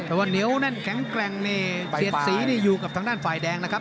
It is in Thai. แต่ว่าเหนียวแข็งแกร่งแทรกศีรษฐีอยู่ทางด้านฝ่ายแดงนะครับ